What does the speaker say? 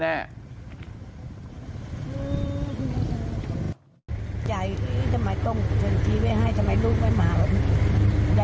ใจทำไมต้องชนชีวิตให้ทำไมลูกไม่มา